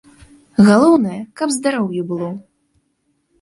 Галоўнае, каб здароўе было.